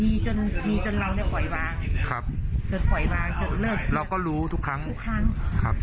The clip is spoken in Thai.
มีจนมีจนเราเนี้ยปล่อยมาครับจนปล่อยมาจนเลิกเราก็รู้ทุกครั้งทุกครั้งครับ